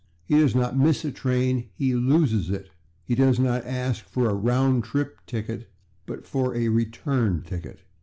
He does not /miss/ a train; he /loses/ it. He does not ask for a /round trip/ ticket, but for a /return/ ticket.